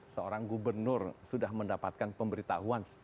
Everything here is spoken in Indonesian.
seorang gubernur sudah mendapatkan pemberitahuan